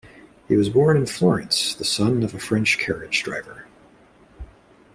He was born in Florence, the son of a French carriage driver.